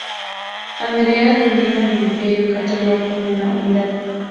Andreas veía al Imperio carolingio como una unidad.